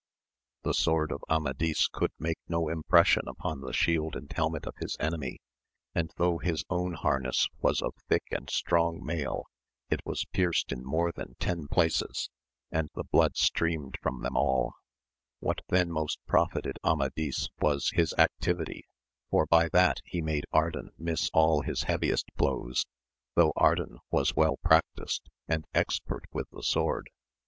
The sword of Amadis could make no impression upon the shield and helmet of his enemy, and though his own harness was of thick and strong mail, it was pierced in more than ten places, and the blood streamed from them alL What then most profited Amadis was his activity, for by that he made Ardan miss all his heaviest blows, though Ardan was well practised and expert with the sword.